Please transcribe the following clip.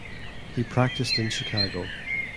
He practiced in Chicago.